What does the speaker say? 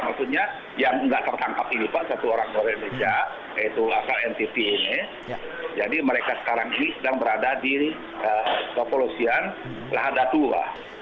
maksudnya yang nggak tertangkap ini pak satu orang dari indonesia yaitu asal ntt ini jadi mereka sekarang ini sedang berada di kepolisian lahadatula